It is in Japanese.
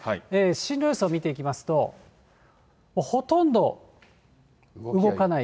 進路予想を見ていきますと、ほとんど動かない。